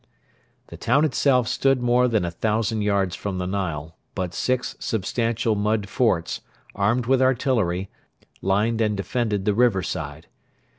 The town itself stood more than a thousand yards from the Nile, but six substantial mud forts, armed with artillery, lined and defended the riverside.